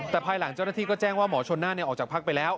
แต่ภายหลังเจ้าหน้าที่ก็แจ้งว่าหมอชนน่านออกจากพักไปแล้ว